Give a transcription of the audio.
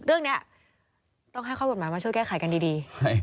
เรื่องนี้ต้องให้ข้อกฎหมายมาช่วยแก้ไขกันดี